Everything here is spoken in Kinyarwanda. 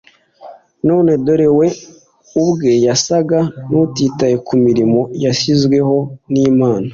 none dore we ubwe yasaga n'utitaye ku mirimo yashyizweho n'Imana.